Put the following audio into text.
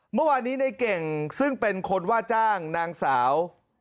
เมื่อวานนี้ในเก่งซึ่งเป็นคนว่าจ้างนางสาว